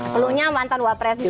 peluknya mantan wapres juga